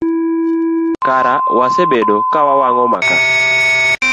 Kara wasebedo kawawang'o maka.